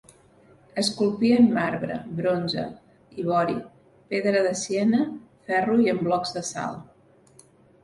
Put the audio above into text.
Esculpia en marbre, bronze, ivori, pedra de Siena, ferro i en blocs de sal.